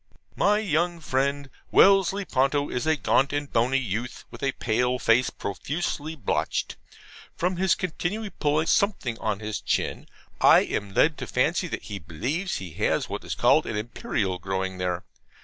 My young friend Wellesley Ponto is a gaunt and bony youth, with a pale face profusely blotched. From his continually pulling something on his chin, I am led to fancy that he believes he has what is called an Imperial growing there.